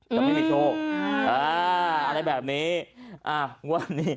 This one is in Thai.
จะไม่มีโชคอะไรแบบนี้